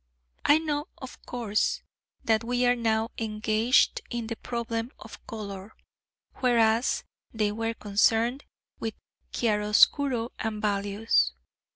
I know, of course, that we are now engaged in the problem of colour, whereas they were concerned with chiaroscuro and values.